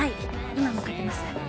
今向かってます。